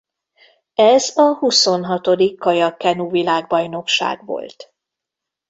Ez a huszonhatodik kajak-kenu világbajnokság volt.